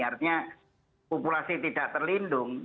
artinya populasi tidak terlindung